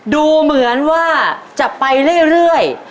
ดูเหมือนว่าจะไปเรื่อย